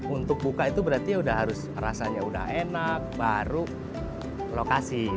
untuk buka itu berarti udah harus rasanya udah enak baru lokasi